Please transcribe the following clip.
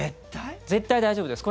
絶対大丈夫です。